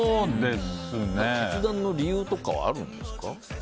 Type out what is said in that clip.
決断の理由とかはあるんですか。